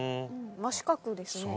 真四角ですね。